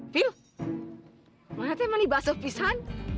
vil kenapa kamu tidak berbicara bahasa pisan